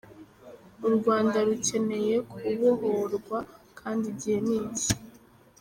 U Rwanda rukeneye kubohorwa kandi igihe ni iki.